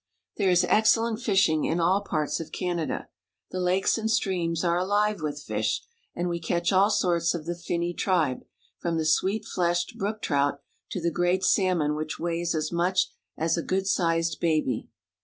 There is excellent fishing in all parts of Canada. The lakes and streams are alive with fish, and we catch all sorts of the finny tribe, from the sweet fleshed brook trout to the great salmon which weighs as much as a good sized baby.